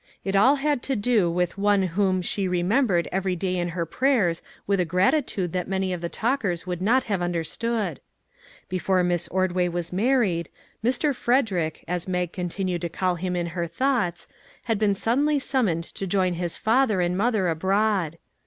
It all had to do with one whom she remembered every day in her prayers with a gratitude that many of the talkers would not have understood. Before Miss Ord way was married, " Mr. Frederick," as Mag continued to call him in her thoughts, had been suddenly summoned to join his father and mother abroad.